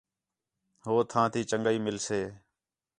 ہو تھاں تی چنڳائی مِلسے